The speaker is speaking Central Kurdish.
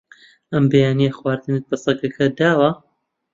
ئەم بەیانییە خواردنت بە سەگەکە داوە؟